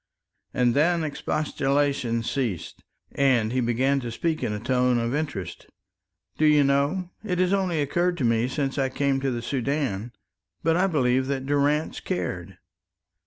And then expostulation ceased, and he began to speak in a tone of interest. "Do you know, it has only occurred to me since I came to the Soudan, but I believe that Durrance cared."